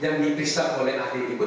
yang dipisah oleh ahli ini pun